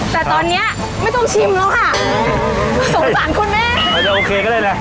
แต่ตอนเนี้ยไม่ต้องชิมแล้วค่ะสงสารคุณแม่อาจจะโอเคก็ได้แหละ